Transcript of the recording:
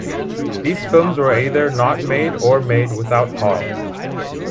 These films were either not made or made without Hall.